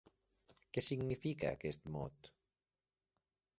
Què significa aquest mot?